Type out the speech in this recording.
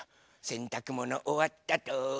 せんたくものおわったと。